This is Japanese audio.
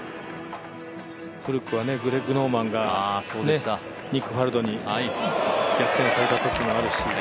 古くはグレッグ・ノーマンがニック・ファルドに逆転されたときもあるし。